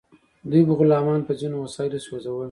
دوی به غلامان په ځینو وسایلو سوځول.